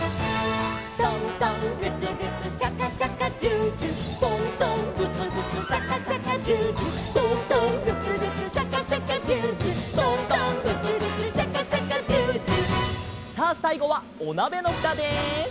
「トントングツグツシャカシャカジュージュー」「トントングツグツシャカシャカジュージュー」「トントングツグツシャカシャカジュージュー」「トントングツグツシャカシャカジュージュー」さあさいごはおなべのふたで。